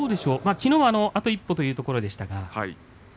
きのうは、あと一歩というところでした。